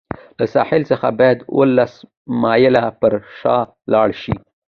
له ساحل څخه باید اوولس مایله پر شا لاړ شي.